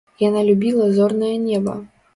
Яна любіла зорнае неба!